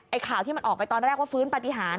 ข่าวที่มันออกไปตอนแรกว่าฟื้นปฏิหาร